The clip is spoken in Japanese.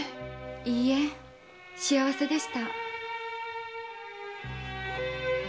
いいえ幸せでした。